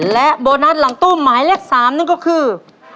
และโบนัสหลังตู้หมายเลข๓นั่นก็คือ